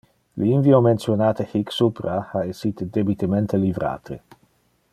Le invio mentionate hic supra ha essite debitemente livrate.